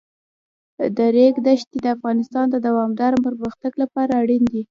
د ریګ دښتې د افغانستان د دوامداره پرمختګ لپاره اړین دي.